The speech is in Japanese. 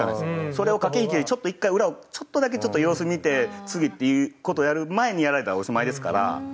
それを駆け引きでちょっと１回裏をちょっとだけ様子見て次っていう事をやる前にやられたらおしまいですから。